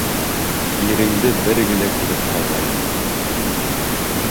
Иреңде бер генә күреп ҡалғайным.